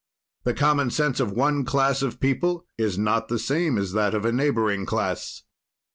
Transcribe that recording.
"The common sense of one class of people is not the same as that of a neighboring class.